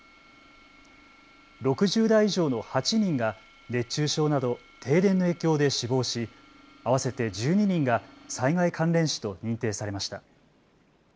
６０代以上の８人が熱中症など停電の影響で死亡し合わせて１２人が災害関連死と認定されました。